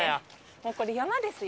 もうこれ山ですよ。